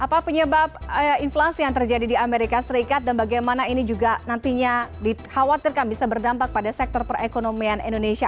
apa penyebab inflasi yang terjadi di amerika serikat dan bagaimana ini juga nantinya dikhawatirkan bisa berdampak pada sektor perekonomian indonesia